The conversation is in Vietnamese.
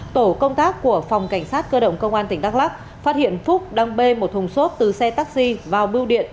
tổ công tác của phòng cảnh sát cơ động công an tỉnh đắk lắc phát hiện phúc đang bê một thùng xốp từ xe taxi vào bưu điện